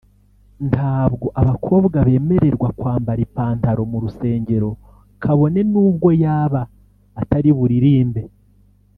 ntabwo abakobwa bemererwa kwambara ipantaro mu rusengero kabone n’ubwo yaba atari buririmbe